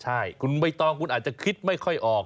ใช่คุณใบตองคุณอาจจะคิดไม่ค่อยออก